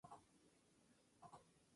Se mudó a Ponce cuando era muy joven.